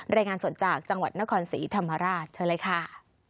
รายงานสดจากจังหวัดนครศรีธรรมราชเชิญเลยค่ะ